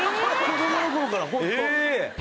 子どもの頃からホント。